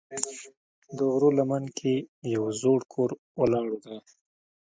د غرونو لمن کې یو زوړ کور ولاړ دی.